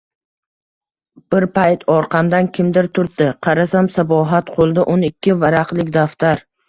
Bir payt orqamdan kimdir turtdi, qarasam, Sabohat, qo`lida o`n ikki varaqlik daftar